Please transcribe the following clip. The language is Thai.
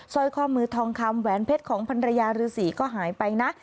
ร้อยข้อมือทองคำแหวนเพชรของพันรยาฤษีก็หายไปนะ